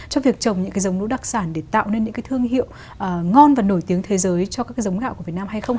cho việc trồng những cái giống lúa đặc sản để tạo nên những cái thương hiệu ngon và nổi tiếng thế giới cho các giống gạo của việt nam hay không